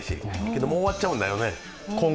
けど、もう終わっちゃうんだよね。